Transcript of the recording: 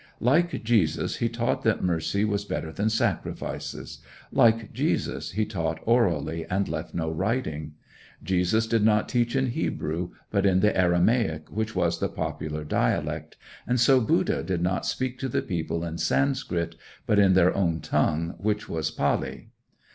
Like Jesus, he taught that mercy was better than sacrifices. Like Jesus, he taught orally, and left no writing. Jesus did not teach in Hebrew, but in the Aramaic, which was the popular dialect, and so the Buddha did not speak to the people in Sanskrit, but in their own tongue, which was Pâli.